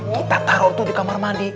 kita taruh tuh di kamar mandi